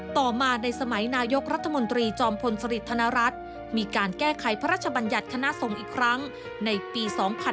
ต่อมาในสมัยนายกรัฐมนตรีจอมพลสริทธนรัฐมีการแก้ไขพระราชบัญญัติคณะสงฆ์อีกครั้งในปี๒๕๕๙